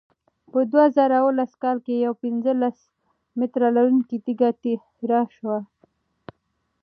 په دوه زره اوولس کال کې یوه پنځلس متره لرونکې تیږه تېره شوه.